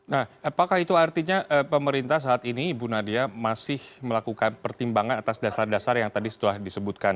nah apakah itu artinya pemerintah saat ini ibu nadia masih melakukan pertimbangan atas dasar dasar yang tadi setelah disebutkan